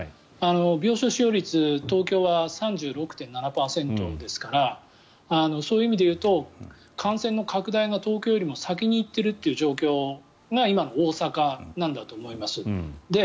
病床使用率東京は３６．７％ですからそういう意味で言うと感染拡大が東京よりも先に行っているという状況が今の大阪なんだと思います。